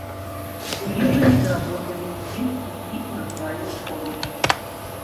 У ежы не пераборлівы, есць сухі і натуральны корм.